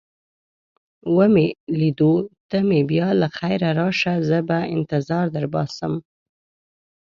وه لیدو ته مې بیا له خیره راشه، زه به انتظار در وباسم.